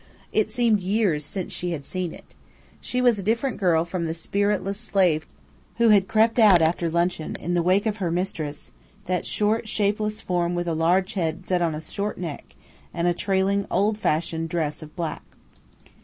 It seemed years since she had seen it. She was a different girl from the spiritless slave who had crept out after luncheon, in the wake of her mistress: that short, shapeless form with a large head set on a short neck, and a trailing, old fashioned dress of black.